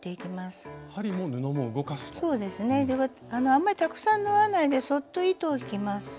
あんまりたくさん縫わないでそっと糸を引きます。